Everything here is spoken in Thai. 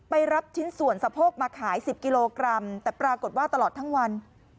รับชิ้นส่วนสะโพกมาขาย๑๐กิโลกรัมแต่ปรากฏว่าตลอดทั้งวัน